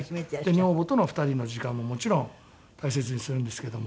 女房との２人の時間ももちろん大切にするんですけども。